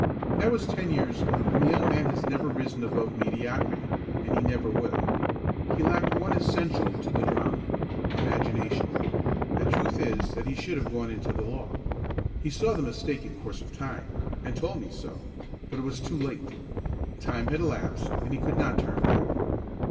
That was ten years ago and the young man has never risen above mediocrity and he never will. He lacked one essential to the drama imagination. The truth is that he should have gone into the law. He saw the mistake in course of time, and told me so, but it was too late. Time had elapsed and he could not turn back.